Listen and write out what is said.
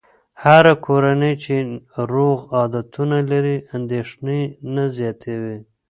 هره کورنۍ چې روغ عادتونه لري، اندېښنې نه زیاتوي.